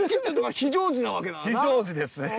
非常時ですね。